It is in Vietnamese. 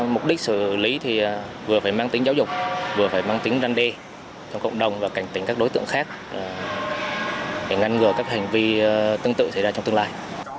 mục đích xử lý thì vừa phải mang tính giáo dục vừa phải mang tính răn đê trong cộng đồng và cảnh tính các đối tượng khác để ngăn ngừa các hành vi tương tự xảy ra trong tương lai